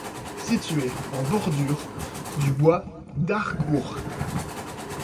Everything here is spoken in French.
Situé en bordure du bois d'Harcourt.